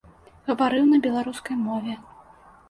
Гаварыў на беларускай мове.